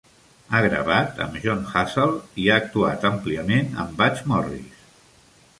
Ha gravat amb Jon Hassell i ha actuat àmpliament amb Butch Morris.